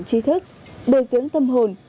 trí thức bồi dưỡng tâm hồn